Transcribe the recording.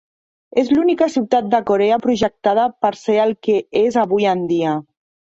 És l'única ciutat de Corea projectada per ser el que és avui en dia.